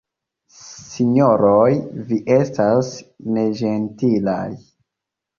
Sinjoroj, vi estas neĝentilaj.